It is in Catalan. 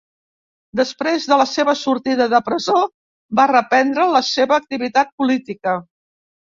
Després de la seva sortida de presó va reprendre la seva activitat política.